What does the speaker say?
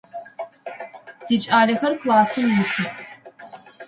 Тикӏалэхэр классым исых.